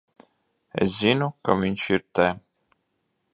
Es zinu, ka viņš ir te.